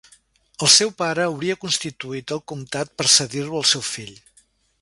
El seu pare hauria constituït el comtat per cedir-lo al seu fill.